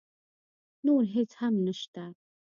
نور هېڅ هم نه شته.